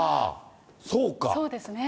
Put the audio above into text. そうですね。